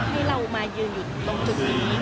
ให้เรามายืนอยู่ตรงจุดนี้